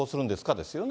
ですよね。